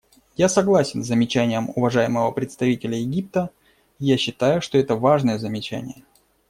Я согласен с замечанием уважаемого представителя Египта, и я считаю, что это важное замечание.